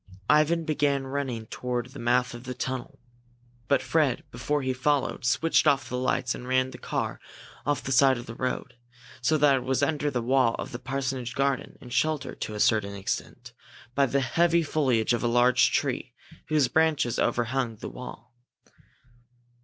Ivan began running toward the mouth of the tunnel. But Fred, before he followed, switched off the lights and ran the car off the side of the road, so that it was under the wall of the parsonage garden and sheltered, to a certain extent, by the heavy foliage of a large tree, whose branches overhung the wall.